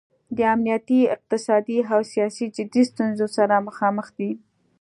د امنیتي، اقتصادي او سیاسي جدي ستونځو سره مخامخ دی.